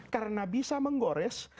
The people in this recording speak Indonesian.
karena bisa menggores